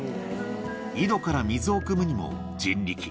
井戸から水をくむにも人力。